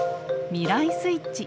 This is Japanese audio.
「未来スイッチ」。